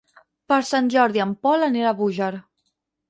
Per Sant Jordi en Pol anirà a Búger.